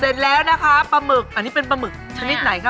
เสร็จแล้วนะคะปลาหมึกอันนี้เป็นปลาหมึกชนิดไหนคะ